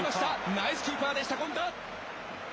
ナイスキーパーでした、権田。